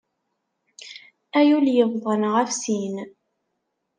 Ay ul yebḍan ɣef sin!